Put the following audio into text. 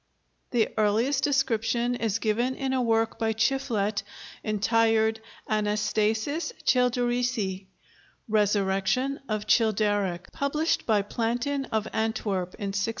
The earliest description is given in a work by Chiflet entitled "Anastasis Childerici," "Resurrection of Childeric," published by Plantin of Antwerp in 1655.